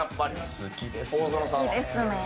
「好きですねぇ」。